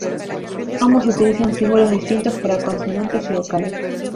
Ambos utilizan símbolos distintos para consonantes y vocales.